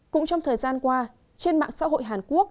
cũng trong thời gian qua trên mạng xã hội hàn quốc